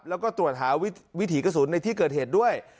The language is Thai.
แล้วก็ตรวจหาวิถีกระสุนในที่เกิดเหตุด้วย